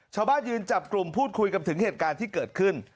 ชาวบ้านยืนจับกลุ่มพูดคุยกันถึงเหตุการณ์ที่เกิดขึ้น